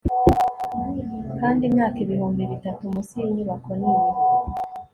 Kandi imyaka ibihumbi bitatu munsi yinyubako nini